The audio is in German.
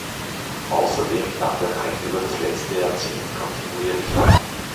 Außerdem nahm der Trend über das letzte Jahrzehnt kontinuierlich ab.